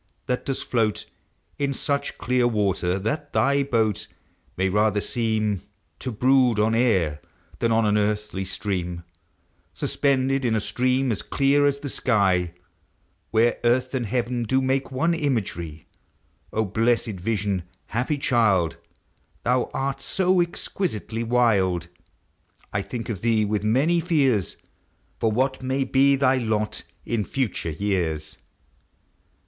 that dost rtoat In such clear water, that thy boat May rather seem To brood on air than on an earthly stream — Suspended in a stream as clear as sky, Where earth and heaven do make one imagery ; 0 blessed vision! happy child! Thou art so exquisitely wild, 1 think of thee with many fears For what may be thy lot in future years.